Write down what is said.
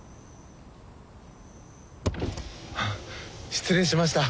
・失礼しました。